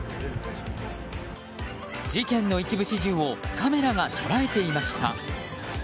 事件の一部始終をカメラが捉えていました。